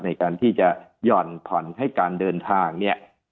ในการที่จะหย่อนผ่อนให้การเดินทางเนี่ย